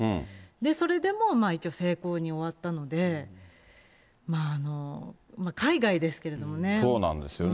それでも一応成功に終わったので、そうなんですよね。